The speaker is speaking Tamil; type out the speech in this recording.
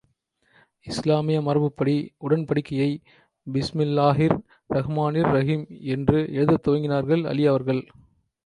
இஸ்லாமிய மரபுப்படி உடன்படிக்கையை பிஸ்மில்லாஹிர் ரஹ்மானிர் ரஹிம் என்று எழுதத் துவங்கினார்கள் அலீ அவர்கள்.